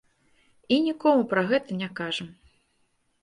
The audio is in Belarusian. І нікому пра гэта не кажам.